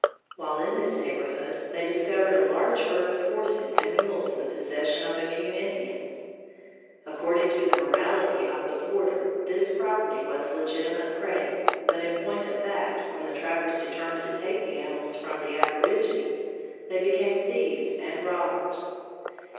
While in this neighborhood, they discovered a large herd of horses and mules in the possession of a few Indians. According to the morality of the border this property was legitimate prey, but in point of fact when the trappers determined to take the animals from the aborigines, they became thieves and robbers.